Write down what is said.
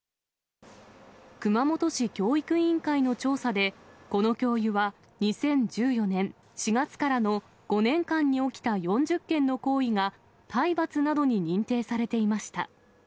熊本市教育委員会の調査で、この教諭は、２０１４年４月からの５年間に起きた４０件の行為が、体罰などに認定されていました。